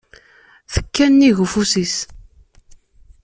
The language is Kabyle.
Tekka nnig ufus-is.